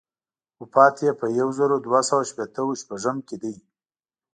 وفات یې په یو زر دوه سوه شپېته و شپږم کې دی.